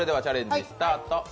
チャレンジスタート。